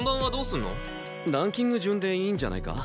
ランキング順でいいんじゃないか？